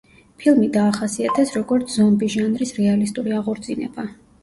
ფილმი დაახასიათეს როგორც ზომბი ჟანრის რეალისტური აღორძინება.